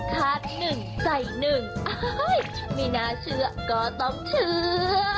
หนึ่งใจหนึ่งไม่น่าเชื่อก็ต้องเชื่อ